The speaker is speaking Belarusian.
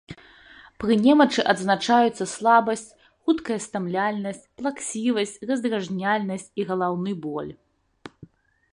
Пры немачы адзначаюцца слабасць, хуткая стамляльнасць, плаксівасць, раздражняльнасць і галаўны боль.